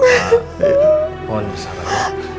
mohon bersabar dok